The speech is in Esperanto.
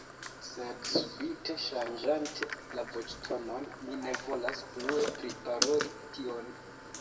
Sed subite ŝanĝante la voĉtonon mi ne volas plue priparoli tion.